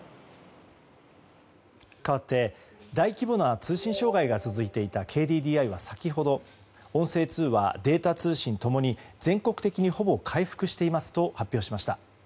かわって大規模な通信障害が続いていたＫＤＤＩは先ほど音声通話、データ通信共に全国的にほぼ回復していますと発表しました。